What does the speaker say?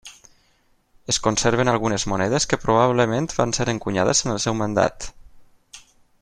Es conserven algunes monedes que probablement van ser encunyades en el seu mandat.